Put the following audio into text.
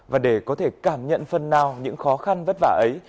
và để có thể cảm nhận phần nào những khó khăn vất vả ấy